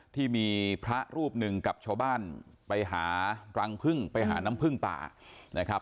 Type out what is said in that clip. ที่มีพระรูปหนึ่งกับชาวบ้านไปหารังพึ่งไปหาน้ำพึ่งป่านะครับ